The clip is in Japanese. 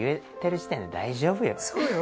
そうよ